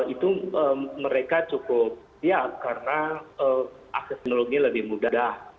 itu mereka cukup siap karena akses teknologi lebih mudah